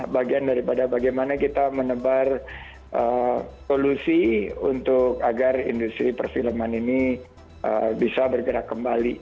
bagian daripada bagaimana kita menebar solusi untuk agar industri perfilman ini bisa bergerak kembali